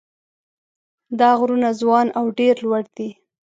دا غرونه ځوان او ډېر لوړ دي.